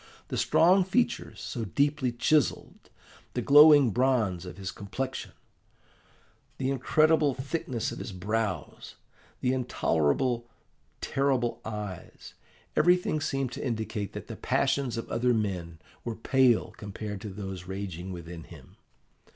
The strong features, so deeply chiselled; the glowing bronze of his complexion; the incredible thickness of his brows; the intolerable, terrible eyes everything seemed to indicate that the passions of other men were pale compared to those raging within him.